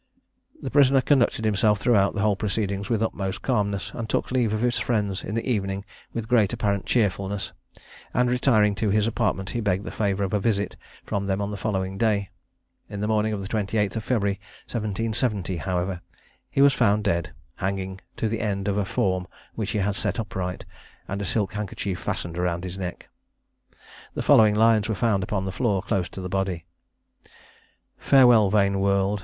The prisoner conducted himself throughout the whole proceedings with the utmost calmness, and took leave of his friends in the evening with great apparent cheerfulness; and, retiring to his apartment, he begged the favour of a visit from them on the following day. In the morning of the 28th of February 1770, however, he was found dead, hanging to the end of a form which he had set upright, and a silk handkerchief fastened round his neck. The following lines were found upon the floor, close to the body: "Farewell, vain world!